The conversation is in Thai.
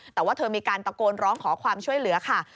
แต่ว่าเธอมีการตะโกนร้องขอความช่วยเหลือค่ะ